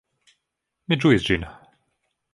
Mi ĝuis ĝin.